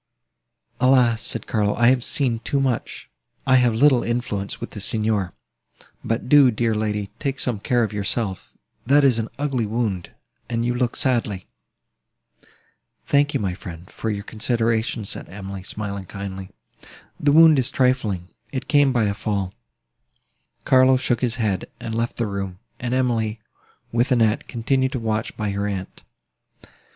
"Alas!" said Carlo, "I have seen too much! I have little influence with the Signor. But do, dear young lady, take some care of yourself; that is an ugly wound, and you look sadly." "Thank you, my friend, for your consideration," said Emily, smiling kindly: "the wound is trifling, it came by a fall." Carlo shook his head, and left the room; and Emily, with Annette, continued to watch by her aunt.